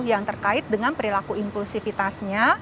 yang terkait dengan perilaku impulsifitasnya